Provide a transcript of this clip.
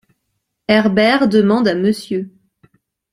Herbert demande à Mr.